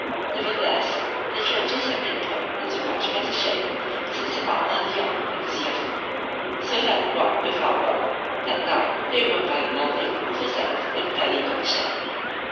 Nevertheless, the trenches had been put into much better shape since our earlier occupancy of them, so that what with our work that night they were by the morning of the seventh in fairly good shape.